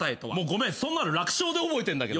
ごめんそんなの楽勝で覚えてんだけど。